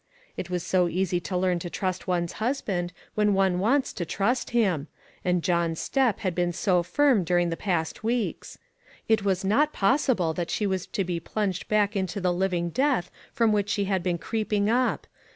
It is so easy to learn to trust one's husband, when one wants to trust him ; and John's step had been so firm during the past weeks. It was not possible that she was to be plunged back into the living death from which she had been creeping up.